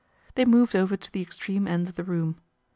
They moved over to the extreme end of the room.